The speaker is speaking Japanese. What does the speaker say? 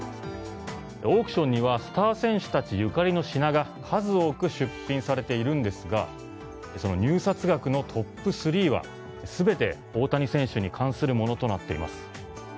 オークションにはスター選手たちゆかりの品が数多く出品されているんですが入札額のトップ３は全て大谷選手に関するものとなっています。